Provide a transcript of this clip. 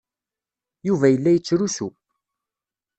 Yuba yella yettrusu.